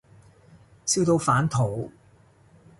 笑到反肚